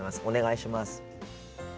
お願いします。